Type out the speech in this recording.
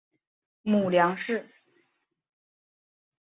母梁氏。